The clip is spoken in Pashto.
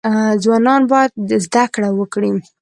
ځوانان باید زده کړه وکړي